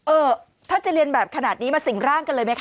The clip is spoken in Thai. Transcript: เออถ้าจะเรียนแบบขนาดนี้มาสิ่งร่างกันเลยไหมคะ